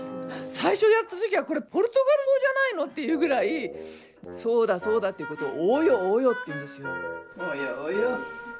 最初やった時はこれポルトガル語じゃないのっていうぐらい「そうだそうだ」っていうことを「およおよ」って言うんですよ。